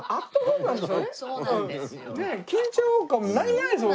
そうなんですよ。